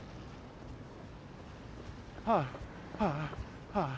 はあはあはあはあ。